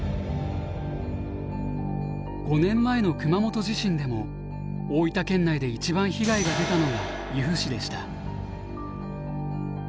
５年前の熊本地震でも大分県内で一番被害が出たのが由布市でした。